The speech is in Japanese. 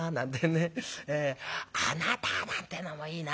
『あなた』なんてのもいいな。